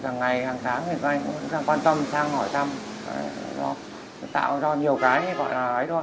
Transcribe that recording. cả ngày hàng tháng thì các anh cũng quan tâm sang hỏi tâm tạo ra nhiều cái gọi là ấy thôi